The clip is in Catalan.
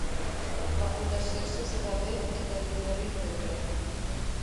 La floració s'esdevé entre juliol i novembre.